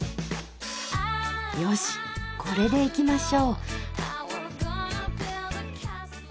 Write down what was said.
よしこれでいきましょう。